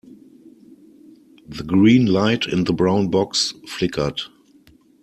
The green light in the brown box flickered.